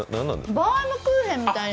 バウムクーヘンみいな